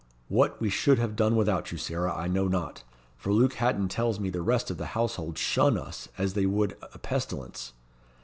What we should have done without you, Sarah, I know not, for Luke Hatton tells me the rest of the household shun us as they would a pestilence.